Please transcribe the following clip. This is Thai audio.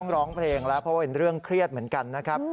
ร้องเพลงแล้วเพราะว่าเป็นเรื่องเครียดเหมือนกันนะครับ